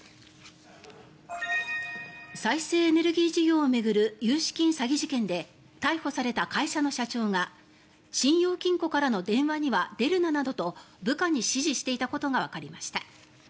再生エネルギー事業を巡る融資金詐欺事件で逮捕された会社の社長が信用金庫からの電話には出るななどと部下に指示していたことがわかりました。